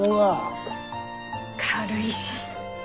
軽いし。